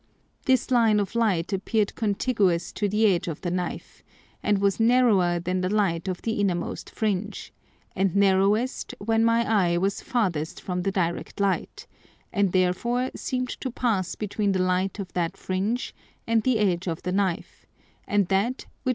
This line of Light appear'd contiguous to the edge of the Knife, and was narrower than the Light of the innermost Fringe, and narrowest when my Eye was farthest from the direct Light, and therefore seem'd to pass between the Light of that Fringe and the edge of the Knife, and that which passed nearest the edge to be most bent, though not all of it.